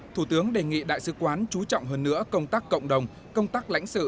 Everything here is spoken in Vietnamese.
thủ tướng đề nghị đại sứ quán trú trọng hơn nữa công tác cộng đồng công tác lãnh sự